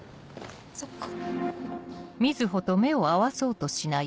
そっか。